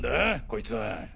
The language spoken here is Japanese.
こいつは？